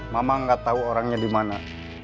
mama gak tahu orangnya di mana